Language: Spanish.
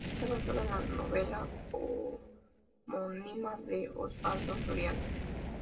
Está basada en la novela homónima de Osvaldo Soriano.